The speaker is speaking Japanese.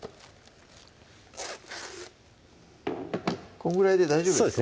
このぐらいで大丈夫ですか？